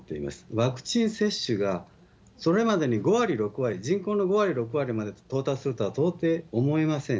ワクチン接種が、それまでに５割、６割、人口の５割、６割まで到達するとは到底思えません。